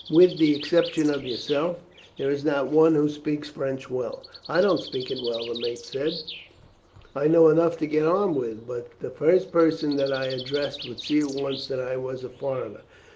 "With the exception of yourself, there is not one who speaks French well." "I don't speak it well," the mate said. "I know enough to get on with, but the first person that I addressed would see at once that I was a foreigner.